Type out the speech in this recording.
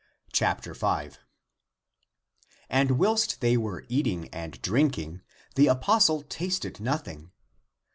5. And whilst they were eating and drinking, the apostle tasted nothing.